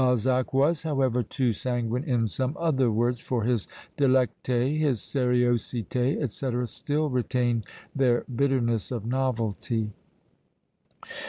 Balzac was, however, too sanguine in some other words; for his délecter, his sériosité, &c. still retain their "bitterness of novelty."